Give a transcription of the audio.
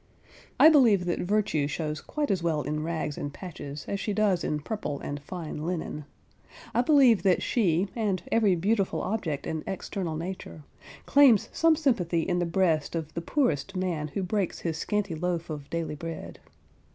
I believe that Virtue shows quite as well in rags and patches, as she does in purple and fine linen. I believe that she and every beautiful object in external nature, claims some sympathy in the breast of the poorest man who breaks his scanty loaf of daily bread.